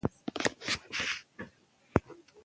يـو هېـواد هـغه وخـت دې نـابـودۍ خـواتـه ځـي.